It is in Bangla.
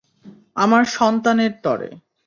আমার সন্তানের তরে!